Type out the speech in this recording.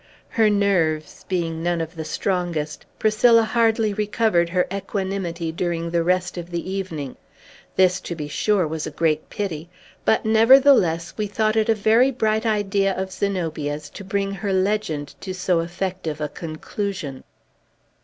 Her nerves being none of the strongest, Priscilla hardly recovered her equanimity during the rest of the evening. This, to be sure, was a great pity; but, nevertheless, we thought it a very bright idea of Zenobia's to bring her legend to so effective a conclusion.